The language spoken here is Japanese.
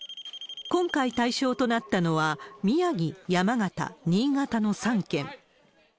今回、対象となったのは、宮城、山形、新潟の３県。